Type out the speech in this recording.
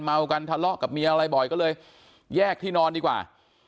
เมากันทะเลาะกับเมียอะไรบ่อยก็เลยแยกที่นอนดีกว่า